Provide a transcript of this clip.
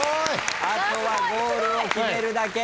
あとはゴールを決めるだけ。